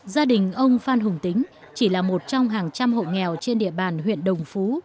gia đình ông phan hùng tính chỉ là một trong hàng trăm hộ nghèo trên địa bàn huyện đồng phú